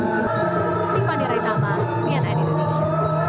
tiffany raitama cnn indonesia